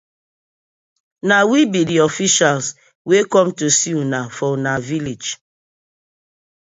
Na we bi di officials wey com to see una for una village.